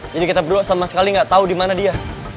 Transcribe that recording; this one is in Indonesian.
jadi kita berdua sama sekali gak tau di mana dia